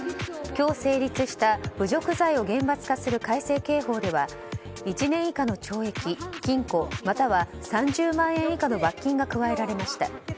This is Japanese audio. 今日成立した侮辱罪を厳罰化する改正刑法では１年以下の懲役・禁錮または３０万円以下の罰金が加えられました。